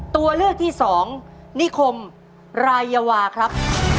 ตัวเลือกที่สองนิคมรายวาครับ